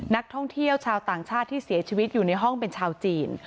นักท่องเที่ยวชาวต่างชาติที่เสียชีวิตอยู่ในห้องเป็นชาวจีน